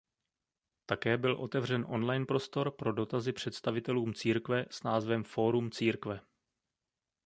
Také byl otevřen online prostor pro dotazy představitelům církve s názvem Fórum církve.